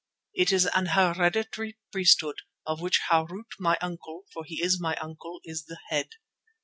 It has an hereditary priesthood, of which Harût my uncle, for he is my uncle, is the head.